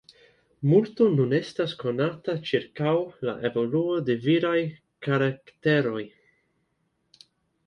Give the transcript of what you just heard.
Multo nun estas konata ĉirkaŭ la evoluo de viraj karakteroj.